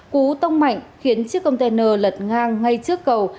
khiến chiếc container lật ngang ngay trước cầu